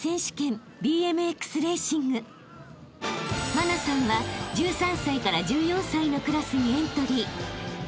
［茉奈さんは１３歳から１４歳のクラスにエントリー］